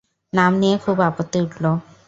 নাম নিয়ে খুব আপত্তি উঠল।